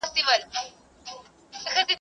که کورنۍ وخت ورکړي، زده کړه نه ځنډېږي.